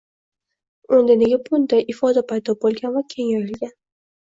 Unda nega bunday ifoda paydo boʻlgan va keng yoyilgan